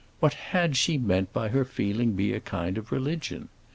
What had she meant by her feeling being a kind of religion?